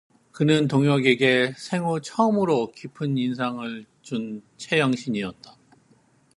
그는 동혁에게 생후 처음으로 깊은 인상을 준 채영신이었다.